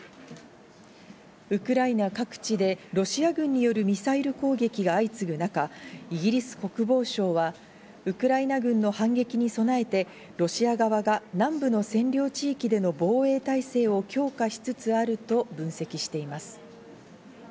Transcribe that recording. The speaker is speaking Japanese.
ウクライナ各地でロシア軍によるミサイル攻撃が相次ぐ中、イギリス国防省はウクライナ軍の反撃に備えてロシア側が南部の占領地域での防衛態勢を強化しつつあると分析しています。